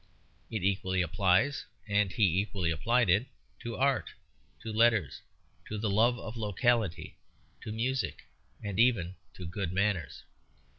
It equally applies, and he equally applied it, to art, to letters, to the love of locality, to music, and even to good manners.